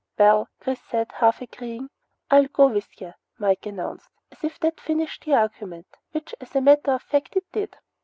"Well " Chris said, half agreeing. "I'll go with ya!" Mike announced, as if that finished the argument; which, as a matter of fact, it did.